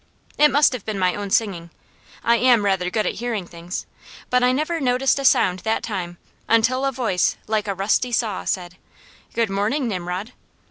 It must have been my own singing I am rather good at hearing things, but I never noticed a sound that time, until a voice like a rusty saw said: "Good morning, Nimrod!"